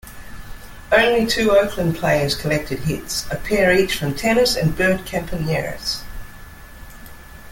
Only two Oakland players collected hits, a pair each from Tenace and Bert Campaneris.